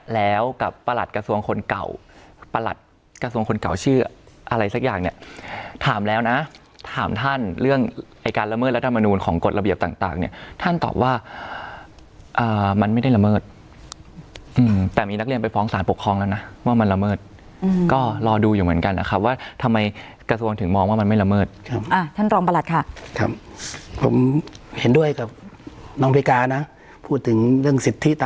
แล้วกับประหลักกระทรวงคนเก่าประหลักกระทรวงคนเก่าชื่ออะไรสักอย่างเนี้ยถามแล้วนะถามท่านเรื่องไอ้การระเมิดรัฐมนุมของกฎระเบียบต่างต่างเนี้ยท่านตอบว่าอ่ามันไม่ได้ระเมิดอืมแต่มีนักเรียนไปฟ้องสารปกครองแล้วนะว่ามันระเมิดอืมก็รอดูอยู่เหมือนกันอะค่ะว่าทำไมกระทรวงถึงมองว่ามันไม่ระเมิ